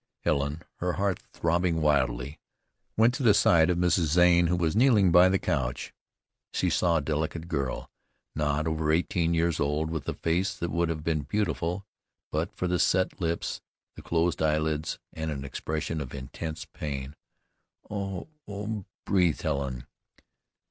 Helen, her heart throbbing wildly, went to the side of Mrs. Zane, who was kneeling by the couch. She saw a delicate girl, not over eighteen years old, with a face that would have been beautiful but for the set lips, the closed eyelids, and an expression of intense pain. "Oh! Oh!" breathed Helen.